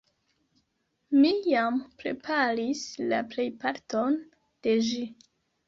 Mi jam preparis la plejparton de ĝi.